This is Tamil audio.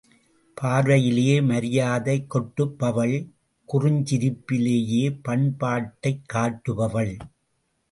பார்வையிலேயே மரியாதை கொட்டுபவள் குறுஞ்சிரிப்பிலேயே பண்பாட்டைக் காட்டுபவள்.